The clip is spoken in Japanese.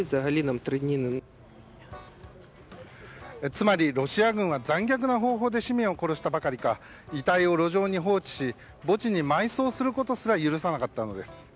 つまり、ロシア軍は残虐な方法で市民を殺したばかりか遺体を路上に放置し墓地に埋葬することすら許さなかったのです。